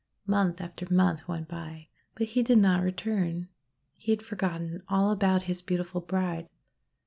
Month after month went by, but he did not return. He had forgotten all about his beautiful bride.